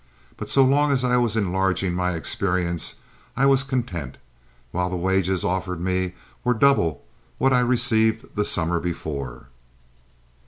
But so long as I was enlarging my experience I was content, while the wages offered me were double what I received the summer before.